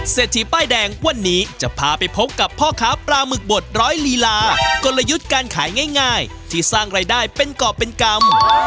เศรษฐีป้ายแดงวันนี้จะพาไปพบกับพ่อค้าปลาหมึกบดร้อยลีลากลยุทธ์การขายง่ายที่สร้างรายได้เป็นกรอบเป็นกรรม